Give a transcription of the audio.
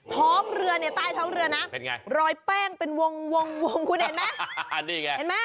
ท้อมเรือใต้ท้องเรือนะเป็นไงรอยแป้งเป็นวงคุณเห็นไหม